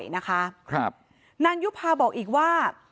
นางยุภาบอกอีกว่า